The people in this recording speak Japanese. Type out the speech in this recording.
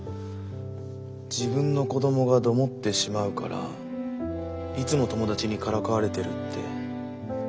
自分の子供がどもってしまうからいつも友達にからかわれてるって。